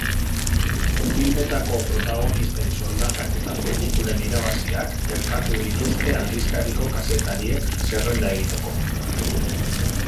Filmetako protagonisten soldatak eta pelikulen irabaziak erkatu dituzte aldizkariko kazetariek, zerrenda egiteko.